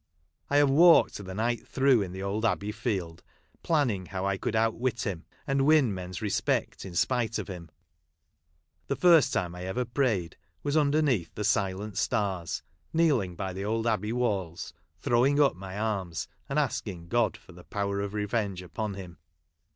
I have walked the, night through, in the old abbey field, planning how I could oufc wit him, and Aviu men's respect in spite of him. The first time I ever prayed, was underneath the silent stars, kneeling by the old abbey walls, throwing up my arms, and asking God for the power of revenue upon him.